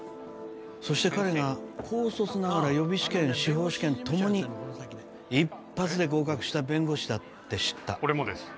そして彼が高卒ながら予備試験司法試験ともに一発で合格した弁護士だって知った俺もです